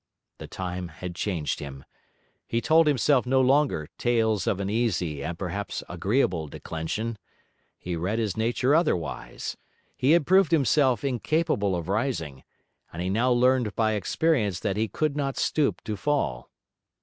The time had changed him. He told himself no longer tales of an easy and perhaps agreeable declension; he read his nature otherwise; he had proved himself incapable of rising, and he now learned by experience that he could not stoop to fall.